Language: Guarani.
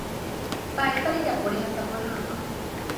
Mba'épa rejapo rehasa porã hag̃ua.